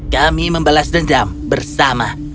kami membalas dendam bersama